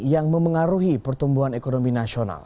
yang memengaruhi pertumbuhan ekonomi nasional